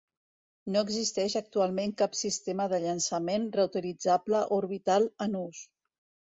No existeix actualment cap sistema de llançament reutilitzable orbital en ús.